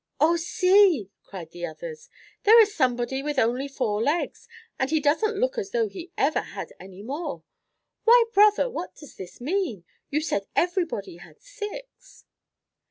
"Oh, see!" cried the others. "There is somebody with only four legs, and he doesn't look as though he ever had any more. Why, Brother, what does this mean? You said everybody had six."